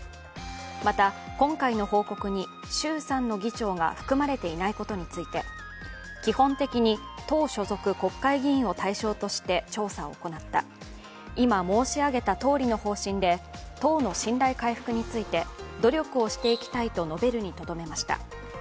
また、今回の報告に衆参の議長が含まれていないことについて基本的に党所属国会議員を対象として調査を行った今申し上げたとおりの方針で党の信頼回復について努力をしていきたいと述べるにとどめました。